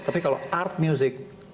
tapi kalau art music karawitan klasik